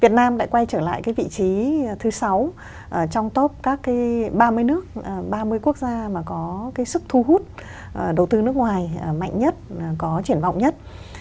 việt nam lại quay trở lại cái vị trí thứ sáu trong top các cái ba mươi nước ba mươi quốc gia mà có cái sức thu hút đầu tư nước ngoài mạnh nhất có triển vọng nhất